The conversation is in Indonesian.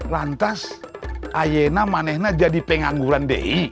lantas ayena manehna jadi penganggulan di